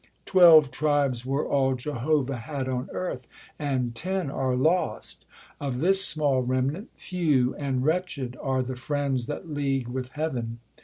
Twelve tribes were all Jehovah had on earth, And ten are lost ; of this small remnant, few And v/retched are the friends that league with Heav'n.